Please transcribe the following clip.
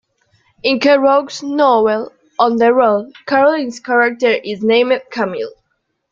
In Kerouac's novel "On the Road" Carolyn's character is named "Camille".